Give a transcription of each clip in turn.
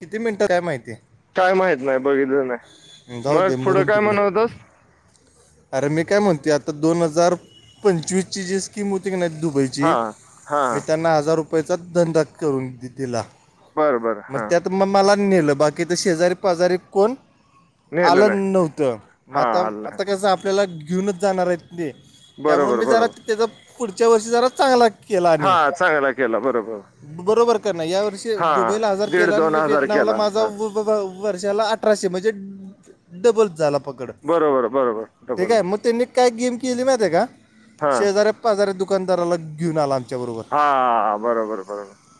किती मिनिटं आहे माहितीय काय माहित नाही बघितलं नाही जाऊ मग दे पुढं मरून काय तिकडं म्हणवतस अरे मी काय म्हणते आता दोन हजार पंचवीस ची जी स्कीम होती की नाही दुबई जी हा हा मी त्यांना हजार रुपयाेचा धंदा करून दिला बरं बरं हा तर मग मला नेलं बाकी तर शेजारी पाजारी कोण नेलं आलं नाही नव्हतं मग हा आता आलं आता नाही कस आपल्याला घेऊनच जाणार आहेत ते त्यामुळेळ बरोबर मी जरा बरोबर त्याचा पुढच्या वर्षी जरा चांगला केला हा आणि चांगला केला बरोबर बरोबर का नाही या वर्षी हा दुबईला आजार दीड केला दोन आणि हजार वतनामला केला माझा हा वर्षाला अठराशे म्हणजे डबल झाला पकड बरोबर बरोबर ठीक डबल आहे मग त्यांनी काय गेम केली माहि आहे का हा शे हजारे पाच हजारे दुकानदाराला घेऊन आला त्या बरोबर हा बरोबर बरोबर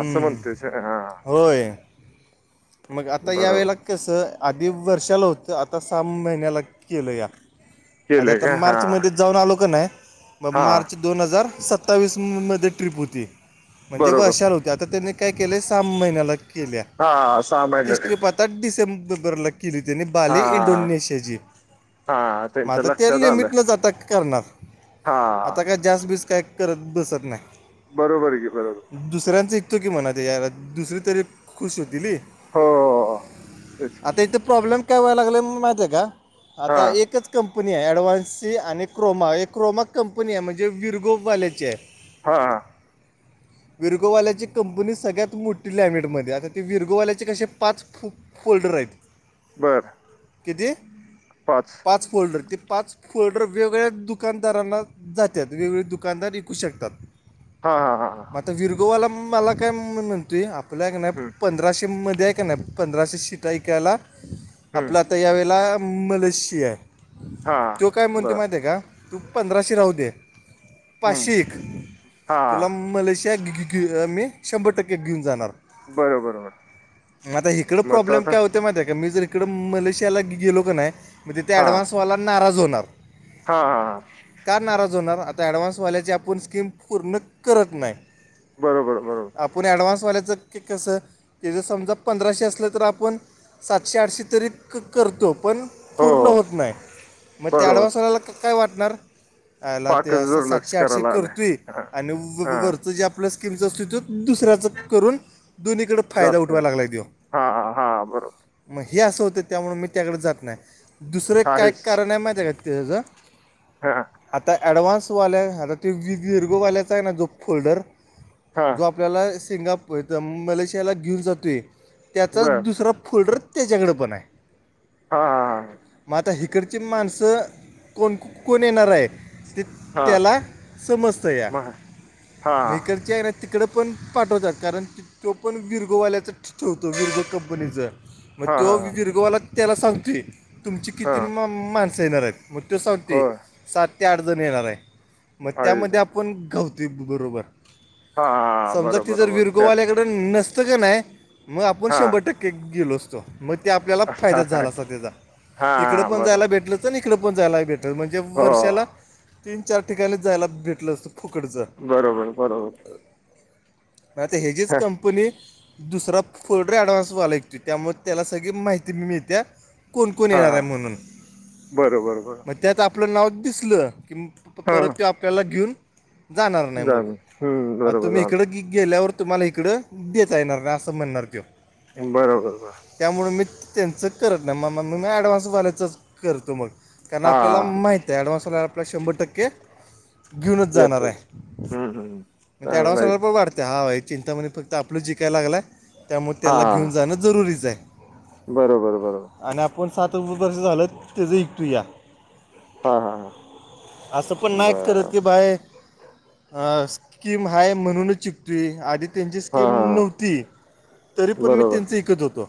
असं म्हणतेस हा होय मग आता या बरोबर वेळेला कसं आधी वर्षाला होतं आता सहा महिन्याला केलं या अ केलंय आता का हा मार्च मध्ये जाऊन आलो का नाही म हा मार्च दोन हजार सत्तावीस मध्ये ट्रीप होती म्हणजे व बरोबर अशाल होती ते आता त्यांनी काय केलं सब महिन्याला केल्या हा महिन्यात तिसरी पात्र डिसेंबरला केली त्यानी हा बाले इंडोनेशियाची हा त्यांच्या मता ते लक्षात आलं लिमिटनच अटक करणार हा आता काय जास् बीस काय करत बसत नाही बरोबर आहे बरोबर दुसऱ्यांचा ऐकतो की मनात या दुसरी तरी खुश होती हो तेच त्याचां प्रॉब्लेम काय व्हायला लागलं म माहिती आहे का हा आता एकच कंपनी आहे ॲडवान्सी आणि क्रोमा क्रोमा कंपनी आहे म्हणजे विरगोवाल्याचे आहे हा हा विरगोवाल्याची कंपनी सगळ्यात मोठी लॅमिटमध्ये आता ते विरघोवाल्याचे कसे पाच फु फोल्डर आहेत बरं कती पाच पाच फोल्डर ते पाच फोल्डर वेगळ्या दुकानदारांना जातात वेगवेगळे दुकानदार ऐकू शकतात हा हा हा हां मग आता विरगोवाला मला काय म्हणतोय आपल्या का नाही हम्म, पंधराशे मध्ये आहे का नाही पंधराशे शिटाऐकायला हम्म, आपला आता यावेेळेला मलेशी आहे हा तो काय म्हणती बर माहती आहे का तू पंधराशे राहू दे हम्म, पाचशे एक हा तुला मलेशिया घ मी शंभर टक्के घेऊन जाणार बरोबरर आता इकडं प्रॉब्लेम काय होते माहिती आहे का मी जर इकड मलेशियाला गेलो का नाही म्हणजे ते हा ॲडव्हान्सवाला नाराज होणार हा हा हा का नाराज होणार आता ऍडव्हान्स वाल्याची आपण स्कीम पूर्ण करत नाही बरोबर बरोबर आपण ऍडव्हान्सवाल्याचं क कसं ते जं समजा पंधराशे असलं तर आपण सातशे आठशे तरी क करतो पण हो पूर्ण हो होत नाही मग त्या बरोबर अडवा्सलाला काय वाटणार याला ते पाकच असं दुर्लक्ष सातशे आठशे करायला आलंय करतोय हा आणि व हा वरचं जे आपल्या स्कीमचं असते तेो दुसऱ्याचं करून दोन्हीकडडे जात हा हा बरोबर मग हे असं होतं त्यामु मी त्याकडे जात नाही दुसरं काय आहेच कारण आहे माहिती आहे का ते त्याचं हा आता ऍडवां्स वावाल्या आता त्या विदीीर्घवाल्याचा आहे ना जो फोल्डर हा जो आप आपल्याला सिंगापूरथं मलेशियाला घेऊन जातोय त्याचा बर दुसरा फोल्डर तेच्यागडं पण आहे हा हा हा मग आता हकडची माणसं कोण कोण येणार आहेत ते हा हा त्याला समजत या मग हा मैकरच्या तिकडं पण पाठवतात कारण ती तो पण विरगोवाल्याचं ठ ठेवतो विरगो कंपनीचं मग हा हा तो दीर्घवाला त्याला सांगतोय तुमची हा किती माणसं येणार आहेत मग तो संवते होय सात ते आठ जण येणार आहे मग आहेच त्यामध्ये आपण गावतोय बरोबर हा समजा ती बरोबर जर बरोबर त्यात विरघोवाल्याकडे नसतं का नाही मग आपण हा शंभर टक्के गेलो असतो मग ते आपल्याला फायदाच झाला अस हा त्याचा इकड पण बरोबर जायला भेटलं तर इकडं पण जायला भेटलं तर म्हणजे हो वर्षाला तीन चार ठिकाणी जायला भेटलं असतं फुकडचं बरोबर बरोबर म आता हचीच हा कंपनी दुसरा फोल्डर ऍडव्हान्स वाला तो त्यामुळे त्याला सगळी माहिती मी मिळते्या कोणकण येणार हा आहे म्हणून बरोबर मग बरोबर त्यात आपलं नाव दिसलं की परत हां तो आपल्याला घेऊन जाणार नाही मग जाण म बरोबर तुम्ही जाण इकडं गी गेल्यावर तुम्हाला इकडं देता येणार नाही असं म्हणणार त बरोबरं त्यामुळे मी त्यांचं करत नाही, म मग मी ऍडव्हान्सवाल्यायचंच करतो मग कारण हा आपल्याला माहती आहे, ॲडव्हान्स आल्याला आपल्या शंभर टक्के घेऊनच जाणार येतो आहे, येतो म्हणजे चांगला डव्हान्स आहे प वाढते [unintelligible] चिंतामध्येणे फक्त आपलं जिकाय लागला आहे, त्यामुळे हा त्याला घेऊन जाणं जरुरीच आहे. बरोबर बरोबर. आणि आपण सात वर्ष झालं त्याचं [unintelligible] हा हा. असं पण नाही करत की बाय हा, स्कीम हाय म्हणूनच जुकतूय, आधी त्यांची हां स्कीम हां नव्हती, तरी पण मी बरोबर त्यांचं विकत होतो.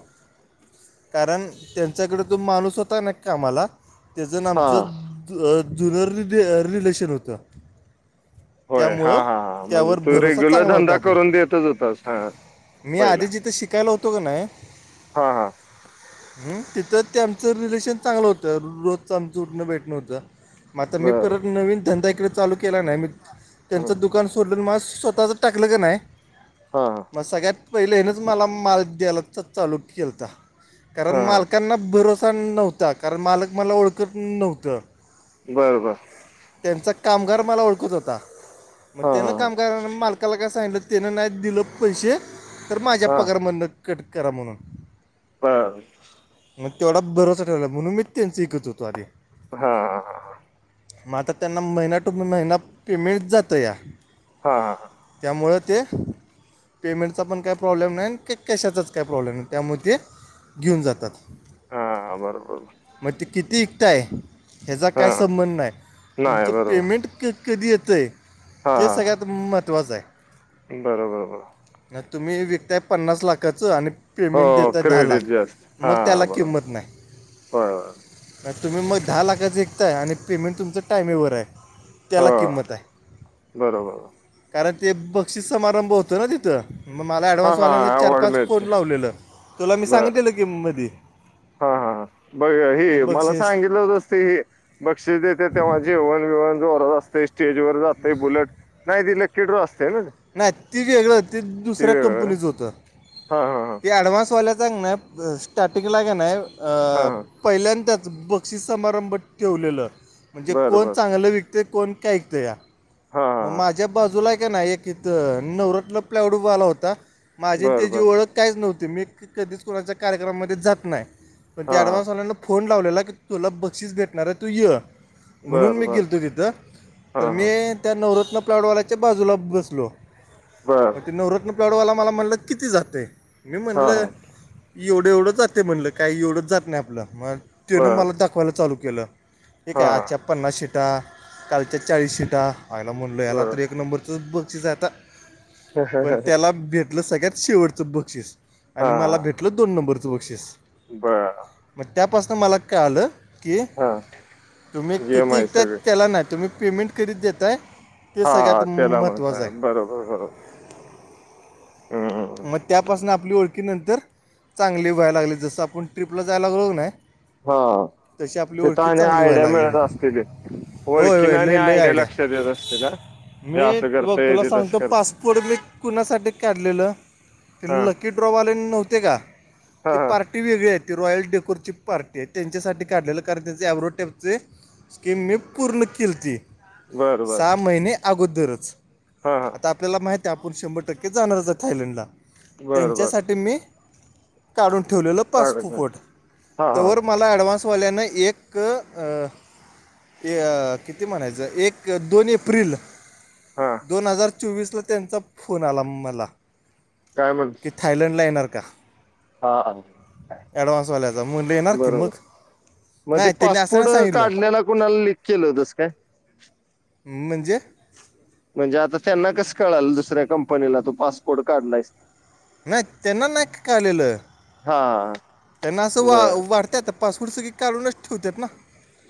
कारण, त्यांच्याकडे तो माणूस होता ना कामाला, त्याच नामचं हां जुनर रिलेशन होतं होय, हा. त्यामुळं हा. हां म्, हणजे त्यावर तू भरोसा रेग्युलर चांगला होता धंदा आपला करून देतच होतो. मी आधी जिथ शिकायला होतो का नाही हां हां हम तिथं ते आमचं रिलेशन चांगलं होतं, रोजच आमचं उठणं बेटणं होतं मग आ मी बरं परत नवीन धंदा क चालू केला नाही म त्यांचं हां दुकान सोडलं, मला स्वतःच टाकलं का नाही हा. मग सगळ्यात पहिले हेणच मला माल द्यायला तर चालू केलता कारण हां मालकांना भरोसा नव्हता, कारण मालक मला ओळखत नव्हतं बरं बर. त्यांचा कामगार मला ओळखत होता, मग हां त्यांना हां कामगारां माल अकाला काय सांगितलं त्यान नाही दिलं पैसे, तर माझ्या हां पगारमधन कट करा म्हणून बरं. मग, तेवढा बरोसा ठेवला, म्हणून मी त्यांच विकत होतो आधी हा. मग, आता त्यांना महिना टू महिना पेमेंट जातया हा हा. त्यामुळं ते पेमेंटचा पण काही प्रॉब्लेम नाही, आणि कॅशाचाच काही प्रॉब्लेम नाही, त्यामुळे ते घेऊन जातात. हा बरोबर. मग ते किती विकताय, ह्याचा काय हां संबंध नाही, नाही तुमचं बरोबर पेमेंट क कधी येतो आहे, ते सगळ्यात महत्त्वाचं आहे. बरोंबरं. नाही तुम्ही विकताय पन्नास लाखाचं आणि पेमेंट हो देतात दहा लाख, क्रेडिट जास्त मग त्याला हां बरोबर किंमत नाही. होय होय नाही तुम्ही मग दहा लाखाचं एकताय, आणि पेमेंट तुमचं टायमिवर आहे. त्याला हो किंमत आहे, बरोबर कारण ते बक्षीस समारंभ होतो ना तिथं. मग मला हां हां ॲडव्हान्सवाल्यानं चार अवॉर्ड पाच फोन मिळते लावलेलं, तुला मी सांगितलं की मधी हा हा, बघ हे मला सांगितलं होत असते हे. बक्षीस देतात, तेव्हा जेवण बेवण जोरत असतय, स्टेज वर जात बुलट नाही दिले. [unintelligible] [inaudible] नाही ते वेगळं, ते दुसऱ्या कंपनीचं होतं हां हां हां ते ॲडव्हान्सवाल्या चांग ना. स्टार्टिंग लाेन आहे हां हां पहिल्यांदाच बुक बक्षी समारंभ ठेवलेलं, म्हणजे बरं कोण बरं चांगलं विकत कोण काय विकत या हां हां मग माझ्या बाजूला का नाही, एक इथं नवरातला प्लवडूबा आला होता. माझी त्याची ओळख काहीच नव्हती, मी कधीच कोणाच्या कार्यक्रमामध्ये जात नाही. पण त्या हां ऍडव्हान्सवाल्यांना फोन लावलेला, की तुला बक्षीस भेटणार आहे तू य म्हणून बरं मी बरं गेलतो तिथं, हां तर मी हां बरं बरं हां हां त्या नवरत्न प्लाडवालाच्या बाजूला बसतो. हॅलो! बर, ते नवरत्न पडवाला, मला म्हणलं किती झालं, मी हा म्हटलं हा एवढं एवढं जातं म्हणलं, काही एवढंच जात नाही आपलं, मग तेनं बर मला दाखवायला चालू केलं. ठीक हा आहे आजच्या पन्नास सीटा, कालच्या चाळीस सीटा, [unintelligible] म्हणलो याला बर तर एक नंबर बक्षीस आता, पण त्याला भेटलं सगळ्यात शेवटचं बक्षीस आणि, हा मला भेटलं दोन नंबरचं बक्षीस, ह, मग त्यापासन, मला कळाल की, हा तुम्ही गेम किती आहे विकताय सगळे त्याला नाही, तुम्ही पेमेंट कधी देतंय, ते सगळ्यात, हा त्याला महत्त्वच म्हणताय आहे. बरोबर बरोबर हम्म मग त्यापासून, आपली ओळख की नंतर चांगली व्हाय लागले, जसं आपण ट्ररीपला जायला लागलो की नाही. हा, तशी आपली ओळखी तिथने चांगली आयडिया व्हायला लागली मिळत मग असतील, होय ओळखीन होय आणि लय लय आयडिया लक्षात देत असतील ह. मी बघ तुला सांगतो, पासपोर्ट मी कुणासाठी काढलेलं, ते लक्ष हा लकी ड्रॉवाले नव्हते का, हा ते हा पार्टी वेगळी आहेत रॉयल डेकोरेटिव पार्टी आहे, त्यांच्यासाठी काढलेलं कारण त्यांचे एव्हटेचे स्कीिम मी पूर्ण केली ती, बर बर सहा महिने अगोदरच, हा, हा, तर आपल्याला माहिती आहे, आपण शंभर टक्के जाणारच आहे थायलंडला, बर बर त्यांच्यासाठी मी काढून ठेवलेलं, कागद पाहिजे. पासपोर्ट हा हा त्यावर मला ॲडव्हान्स वाल्यानं एक अ, किती म्हणायचं एक, दोन एप्रिल हा दोन हजार चोवीसला त्यांचा, फोन आला मला, काय म्हणून, की थायलंडला येणार का, ॲडव्हान्सवाल्याचा म्हण्टलं येणार की मग, बरोबर मग ते नाही त्यांनी असं नाही पासपोर्ट सांगितलं काढण्याला, कुणाला लिक केलं होतस काय? हम म्हणजे? म्हणजे आता त्यांना कस कळाल, दुसऱ्या कंपनीला तू पासपोर्ट काढलायस, नाही, त्यांना नाही का कालेलं, हा, त्यांना असं वा बर वाढत, पासपूड सगळे काढूनच ठेवतात ना.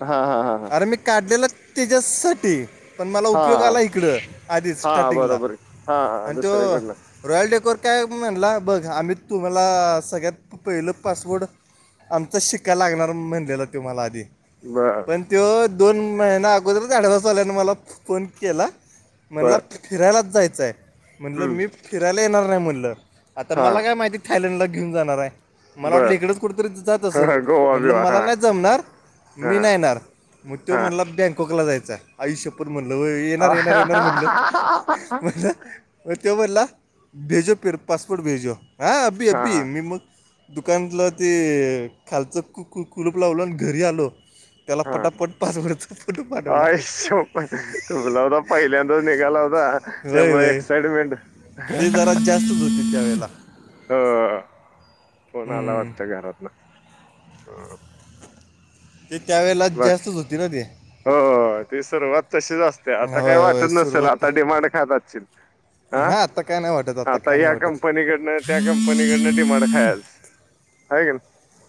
हा, हा, हा, हा, अरे मी काढलेलं, त्याच्यासाठी, पण मला उपयोग आला हा इकडं, आधीच हा स्टार्टिंगला बरोबर आहे. हा आणि, तो दुसऱ्याकडनं रॉयल डेकोर काय म्हणला, बघ आम्ही तुम्हाला सगळ्यात पहिलं, पासवोर्ड आमचा शिकायला लागणार, म्हणलेलं तो मला आधी, बर, आणि त दोन महिनाअगोदरच, डवान्सवाल्याने मला फोन केला, म्हणला बर फिरायलाच जायचं आहे म्हणलं, हम्म मी फिरायला येणार नाही म्हटलं, आता हा मला काय माहिती थायलंडला घेऊन जाणार आहे, मला वाटलं बर इकडेच कुठेतरी जात असल, ह गोवा म्हटलं बिवा मला हा नाही जमणार, हा मी नाही येणार, मग तो हा म्हणला, बँकॉकला जायचा आहे. आई शपत म्हणलं व्हय, येणार, येणार, येणार म्हणलं हा म्हटलं, म तो म्हण्टलं भेजो, फिर पासपोर्ट भेजो, हां अभी अबी हा मी मग दुकानतलं ते खालचं, कु कुलूप लावल, आणि घरी आलो, त्याला हा, पटापट पासवर्डचा फोटो पाठवला आई शिपत गुलाब राव, पहिल्यांदाच निघालासा, होय त्यामुळे, होय एक्साइटमेंट, ते जरा [unintelligible] जास्तच होती त्यावेळेला ह फोन आला हम्म. वाटत, घरात ना ह, ते त्यावेेळेला बाकी जास्तच होती ना ते. हो ती सुरुवात तशीच असते आता काय होय वाटत होय नसेल सुरुवात आता डिमांड खातातची. हा ना आता काय नाही वाटत आता काय नाही या वाटत कंपनीकडनं त्या कंपनीकडनं डिमांड खायेस हाय का?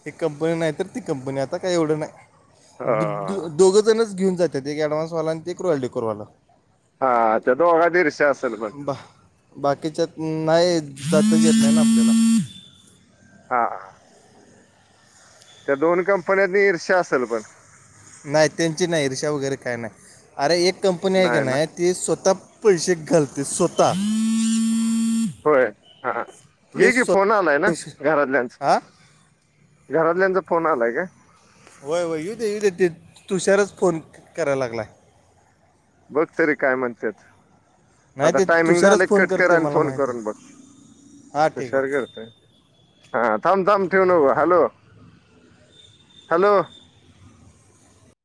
एक कंपनी नाही तर ती कंपनी आता काही एवढं नाही दु हो. द दोघंजणचं घेऊन जाते ते एक अँडवान्सवाला आणि ते एक रॉयल डेकोरवाला हा त्या दोघात ईर्ष्या असेल मग. बा बाकीच्यात नाही जातं येत नाही ना आपल्याला. हा हा. त्या दोन कंपन्यातनी इर्षा असेल पण. नाही त्यांची नाही इर्षा वगैरे काय नाही, अरे एक कंपनी आहे क नाही ना नाय ते स्वतः पैशे घालते स्वतः. होय हा हा हे की फोन आलाय ना घरातल्यांचा. हा घरातल्यांचा फोन आलाय काय? होय होय येऊ दे ते तुषारचं फोन कराय लागला आहे. बघ तरी काय म्हणत्यात? नाही आता ते टायमिंग झाले तुषारच फोन कट कर करते आणि मला फोन माहित करून आहे. बघ, हा ठीक आहे तुशार करतय हा थांब थांब ठेऊ नऊ हॅलो हॅलो.